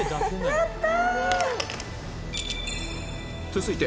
やった！